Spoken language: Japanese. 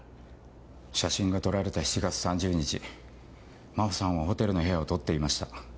写真が撮られた７月３０日真帆さんはホテルの部屋を取っていました。